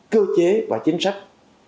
cơ chế và chính sách